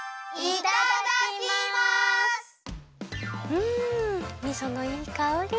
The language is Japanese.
うんみそのいいかおり。